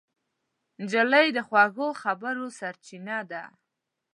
نجلۍ د خوږو خبرو سرچینه ده.